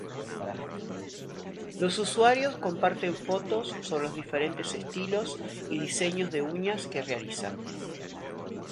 Los usuarios comparten fotos sobre los diferentes estilos y diseños de uñas que realizan.